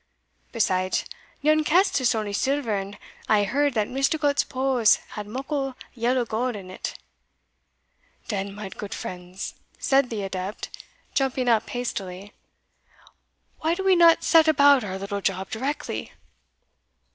Besides, yon kist is only silver, and I aye heard that' Misticot's pose had muckle yellow gowd in't." "Den, mine goot friends," said the adept, jumping up hastily, "why do we not set about our little job directly?"